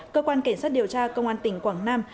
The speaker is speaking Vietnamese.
cơ quan cảnh sát điều tra công an tỉnh quảng nam